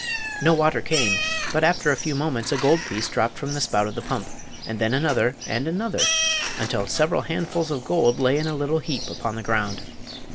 No water came, but after a few moments a gold piece dropped from the spout of the pump, and then another, and another, until several handfuls of gold lay in a little heap upon the ground.